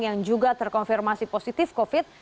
yang juga terkonfirmasi positif covid sembilan belas